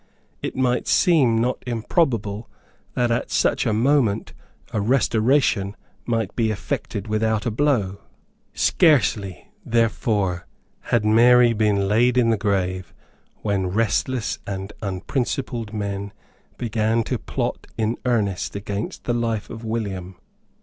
It might seem not improbable that at such a moment a restoration might be effected without a blow. Scarcely therefore had Mary been laid in the grave when restless and unprincipled men began to plot in earnest against the life of William.